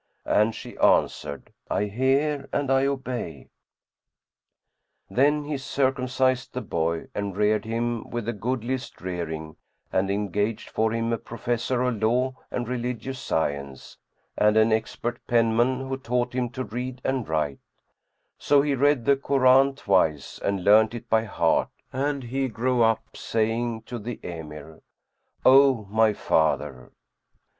'" And she answered, "I hear and I obey." Then he circumcised the boy and reared him with the goodliest rearing, and engaged for him a professor of law and religious science, and an expert penman who taught him to read and write; so he read the Koran twice and learnt it by heart and he grew up, saying to the Emir, "O my father!"